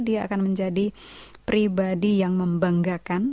dia akan menjadi pribadi yang membanggakan